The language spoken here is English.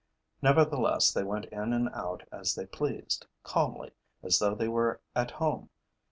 Nevertheless, they went in and out as they pleased, calmly, as though they were at home.